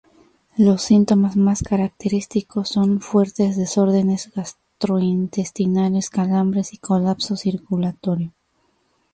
Los síntomas más característicos son fuertes desórdenes gastrointestinales, calambres y colapso circulatorio.